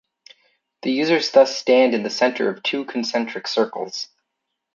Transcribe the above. The users thus stand in the center of two concentric circles.